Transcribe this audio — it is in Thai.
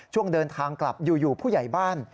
ช่วงเดินทางกลับอยู่ผู้ใหญ่บ้าน